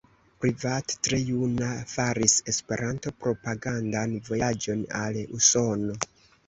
Privat tre juna faris E-propagandan vojaĝon al Usono.